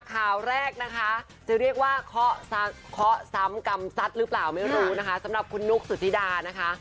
ข่าวแรกนะคะจะเรียกว่าเคาะซ้ำกรรมซัดหรือเปล่าไม่รู้นะคะสำหรับคุณนุ๊กสุธิดานะคะ